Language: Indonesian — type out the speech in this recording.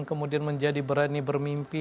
kemudian menjadi berani bermimpi